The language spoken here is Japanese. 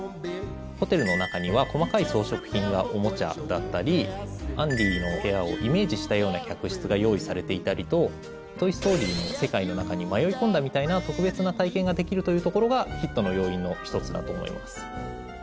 ホテルの中には細かい装飾品やおもちゃだったりアンディの部屋をイメージしたような客室が用意されていたりと「トイ・ストーリー」の世界の中に迷い込んだみたいな特別な体験ができるというところがヒットの要因の１つだと思います。